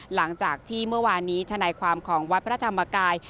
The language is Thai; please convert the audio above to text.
หลังจากที่เมื่อวานนี้ธนายความของวัดพระธรรมกาย